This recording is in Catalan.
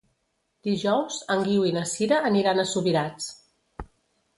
Dijous en Guiu i na Sira aniran a Subirats.